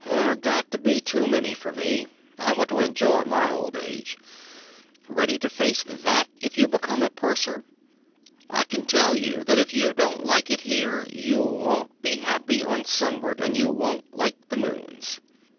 There got to be too many for me; I want to enjoy my old age. "Ready to face that if you become a purser? I can tell you that if you don't like it here you won't be happy on Sunward and you won't like the moons.